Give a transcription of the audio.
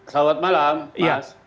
selamat malam mas